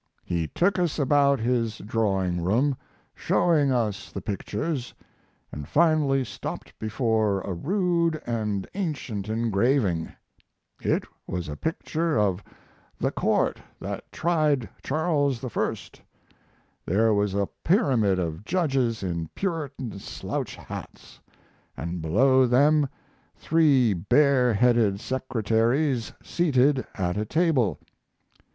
He took us about his drawing room, showing us the pictures, and finally stopped before a rude and ancient engraving. It was a picture of the court that tried Charles I. There was a pyramid of judges in Puritan slouch hats, and below them three bareheaded secretaries seated at a table.